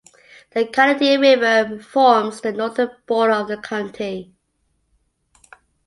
The Canadian River forms the northern border of the county.